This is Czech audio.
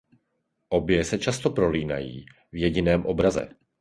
Obě se často prolínají v jediném obraze.